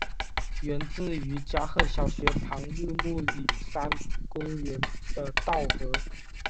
源自于加贺小学校旁日暮里山公园的稻荷。